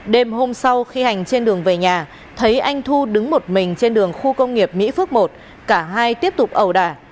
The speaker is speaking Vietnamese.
đêm hôm sau khi hành trên đường về nhà thấy anh thu đứng một mình trên đường khu công nghiệp mỹ phước một cả hai tiếp tục ẩu đả